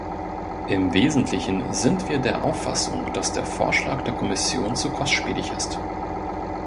Im Wesentlichen sind wir der Auffassung, dass der Vorschlag der Kommission zu kostspielig ist.